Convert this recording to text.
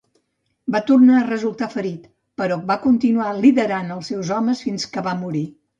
Va tornar a resultar ferit, però va continuar liderant els seus homes fins que va morir.